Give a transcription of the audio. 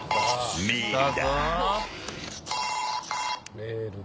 メールだ。